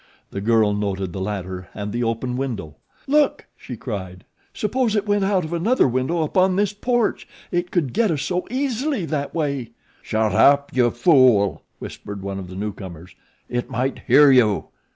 The girl noted the latter and the open window. "Look!" she cried. "Suppose it went out of another window upon this porch. It could get us so easily that way!" "Shut up, you fool!" whispered one of the two newcomers. "It might hear you."